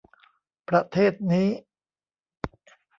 ประเทศนี้